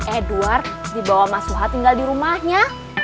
edward dibawa sama suha tinggal di rumahnya